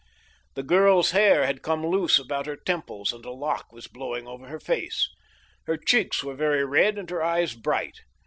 The girl's hair had come loose about her temples and a lock was blowing over her face. Her cheeks were very red and her eyes bright.